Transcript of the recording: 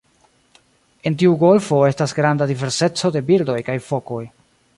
En tiu golfo estas granda diverseco de birdoj kaj fokoj.